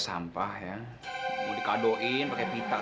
sis kutipu ada di negeri kita